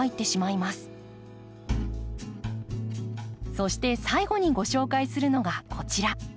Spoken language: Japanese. そして最後にご紹介するのがこちら。